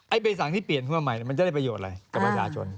ใบสั่งที่เปลี่ยนขึ้นมาใหม่มันจะได้ประโยชน์อะไรกับประชาชน